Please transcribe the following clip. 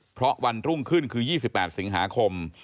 เพราะวันรุ่งขึ้นคือ๒๘สิงหาคม